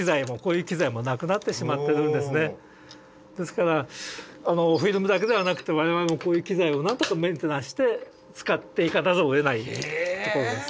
ですからフィルムだけではなくて我々もこういう機材をなんとかメンテナンスして使っていかざるをえないところです。